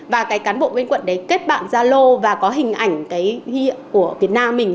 và cái cán bộ bên quận đấy kết bạn gia lô và có hình ảnh cái hiệu của việt nam mình